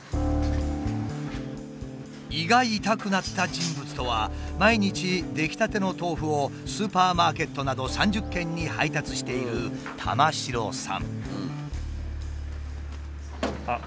胃が痛くなった人物とは毎日出来たての豆腐をスーパーマーケットなど３０軒に配達しているあっ